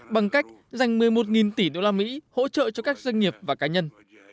bằng cách dành một mươi một tỷ usd hỗ trợ cho các doanh nghiệp và cá nhân